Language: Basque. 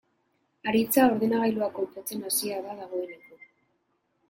Aritza ordenagailua konpontzen hasia da dagoeneko.